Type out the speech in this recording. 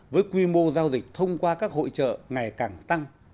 với quy mô giao dịch thông qua các hội trợ ngày càng tăng